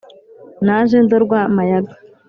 naje ndorwa mayaga